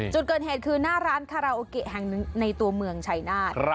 จุดเกิดเหตุคือหน้าร้านคาราโอเกะแห่งหนึ่งในตัวเมืองชัยนาธ